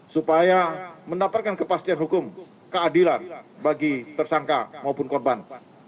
supaya mendapatkan kepastian hukum keadilan bagi tersangka maupun korban